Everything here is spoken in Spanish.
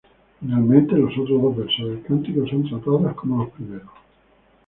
Finalmente los otros dos versos del cántico son tratados como los primeros.